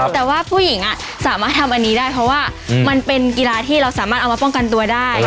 แต่ว่าผู้หญิงสามารถทำอันนี้ได้เพราะว่ามันเป็นกีฬาที่เราสามารถเอามาป้องกันตัวได้